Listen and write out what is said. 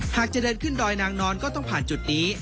หากจะเดินขึ้นดอยนางนอนก็ต้องผ่านจุดนี้